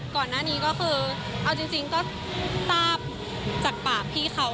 ก่อนหน้านี้ก็คือเอาจริงก็ทราบจากปากพี่เขา